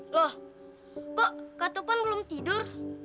loh kok kak topan belum tidur